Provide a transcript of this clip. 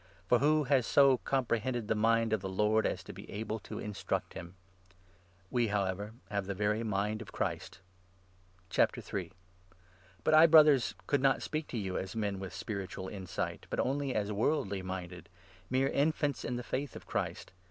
For ' who has so comprehended the mind of the Lord as 16 to be able to instruct him ?' We, however, have the very mind of Christ. But I, Brothers, could not speak to you as men with spiritual i 3 insight, but only as worldly minded — mere infants in the Faith of Christ.